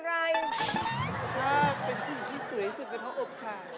คุณว่าเป็นผู้หญิงที่สวยที่สุดกับท้ออบค่ะ